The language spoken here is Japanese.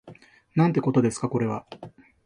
なんてことですかこれは